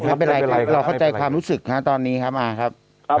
ไม่เป็นไหร่เราเข้าใจความรู้สึกนะตอนนี้ครับ